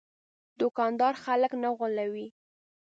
دوکاندار خلک نه غولوي.